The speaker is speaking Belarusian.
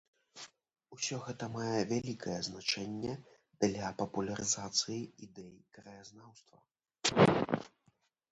Усё гэта мае вялікае значэнне для папулярызацыі ідэй краязнаўства.